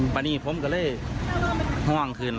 พอนี้ผมก็เลยห่วงขึ้น